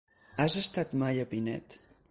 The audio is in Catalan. Has estat mai a Pinet?